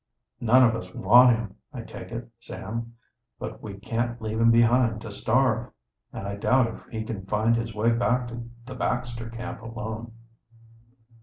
"None of us want him, I take it, Sam. But we can't leave him behind to starve. And I doubt if he can find his way back to the Baxter camp alone."